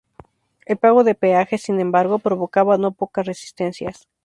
El pago de peaje, sin embargo, provocaba no pocas resistencias.